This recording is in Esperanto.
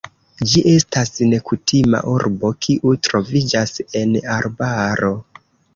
Ĝi estas nekutima urbo, kiu troviĝas en arbaro.